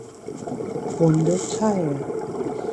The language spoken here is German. Runde teil.